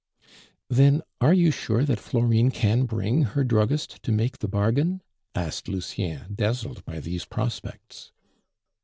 "Then are you sure that Florine can bring her druggist to make the bargain?" asked Lucien, dazzled by these prospects.